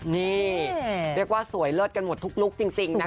นี่เรียกว่าสวยเลิศกันหมดทุกลุคจริงนะคะ